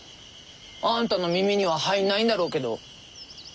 あんたの耳には入んないんだろうけど。